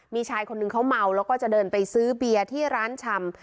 มีชายคนนึงเขาเมาแล้วก็จะเดินไปซื้อเบียร์ที่ร้านชำ